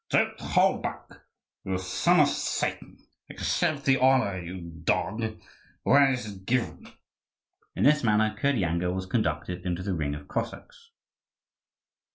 "Don't hold back, you son of Satan! Accept the honour, you dog, when it is given!" In this manner Kirdyanga was conducted into the ring of Cossacks.